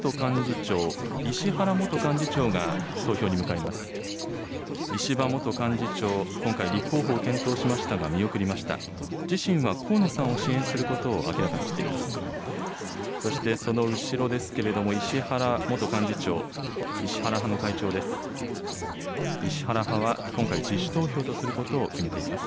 そしてその後ろですけれども、石原元幹事長、石原派の会長です。